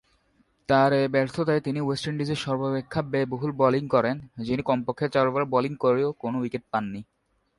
তার এ ব্যর্থতায় তিনি ওয়েস্ট ইন্ডিজের সর্বাপেক্ষা ব্যয়বহুল বোলিং করেন, যিনি কমপক্ষে চার ওভার বোলিং করেও কোন উইকেট পাননি।